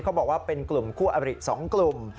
บอกว่าเป็นกลุ่มคู่อบริ๒กลุ่ม